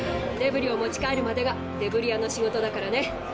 デブリを持ち帰るまでがデブリ屋の仕事だからね。